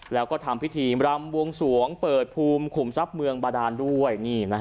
แล้วก็ทำพิธีรำบวงสวงเปิดภูมิขุมทรัพย์เมืองบาดานด้วย